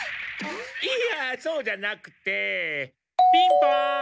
いやそうじゃなくってピンポン！